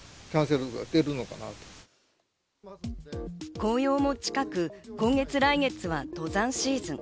紅葉も近く、今月来月は登山シーズン。